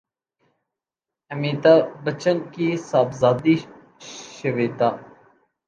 امیتابھبچن کی صاحبزادی شویتا